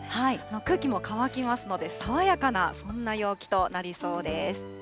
空気も乾きますので、爽やかな、そんな陽気となりそうです。